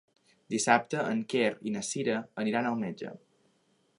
Dissabte en Quer i na Cira aniran al metge.